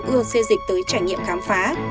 ưa xây dịch tới trải nghiệm khám phá